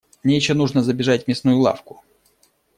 Мне ещё нужно забежать в мясную лавку.